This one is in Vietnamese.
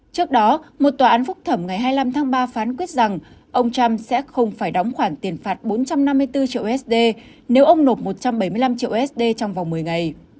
trước đó một tòa án phúc thẩm ngày hai mươi năm tháng ba phán quyết rằng ông trump sẽ không phải đóng khoản tiền phạt bốn trăm năm mươi bốn triệu usd nếu ông nộp một trăm bảy mươi năm triệu usd trong vòng một mươi ngày